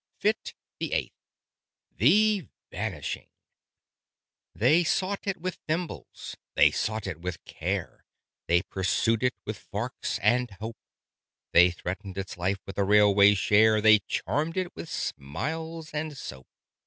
Fit the Eighth THE VANISHING They sought it with thimbles, they sought it with care; They pursued it with forks and hope; They threatened its life with a railway share; They charmed it with smiles and soap.